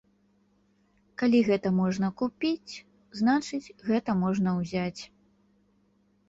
Калі гэта можна купіць, значыць, гэта можна ўзяць.